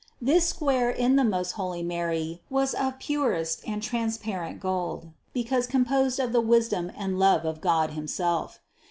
This square in the most holy Mary was of purest and transparent gold, because composed of the wisdom and love of God himself.